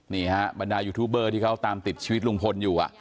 นี่ฮะบรรดายูทูบเบอร์ที่เขาตามติดชีวิตลุงพลอยู่